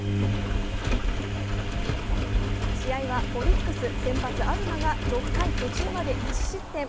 試合はオリックス先発・東が６回途中まで１失点。